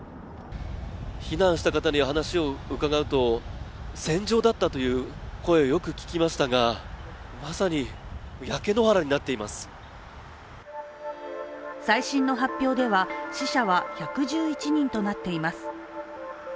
避難した方に話を伺うと、戦場だったという声をよく聞きましたが最新の発表では、死者は１１１人となっています。